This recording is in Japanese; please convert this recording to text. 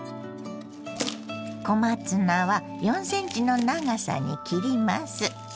小松菜は４ｃｍの長さに切ります。